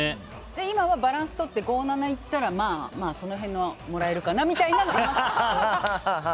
今はバランスとって５７００いったらその辺のもらえるかなみたいなのはあります。